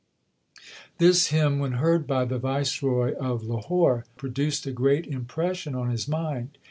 1 This hymn, when heard by the Viceroy of Lahore, produced a great impression on his mind.